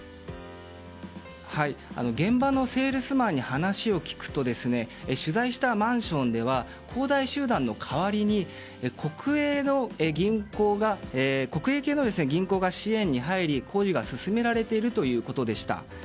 現場のセールスマンに話を聞くと取材したマンションでは恒大集団の代わりに国営系の銀行が支援に入り工事が進められているということでした。